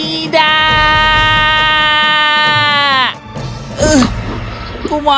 tidak tidak tidak